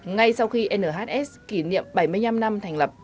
ngay sau khi nhs kỷ niệm bảy mươi năm năm tháng một